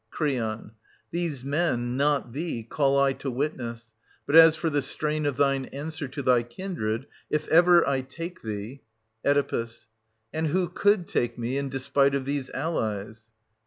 Cr. These men — not thee — call I to witness: but, as for the strain of thine answer to thy kindred, if ever I take thee — Oe. And who could take me in despite of these allies